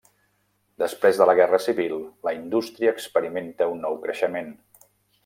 Després de la Guerra Civil, la indústria experimenta un nou creixement.